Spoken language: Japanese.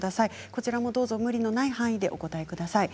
こちらもどうぞ無理のない範囲でお答えください。